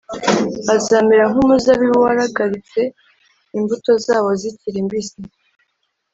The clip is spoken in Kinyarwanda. azamera nk’umuzabibu waragaritse imbuto zawo zikiri mbisi